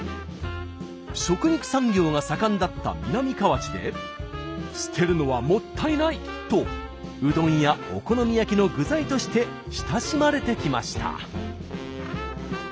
食肉産業が盛んだった南河内で捨てるのはもったいないとうどんやお好み焼きの具材として親しまれてきました。